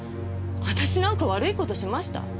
私なんか悪い事しました？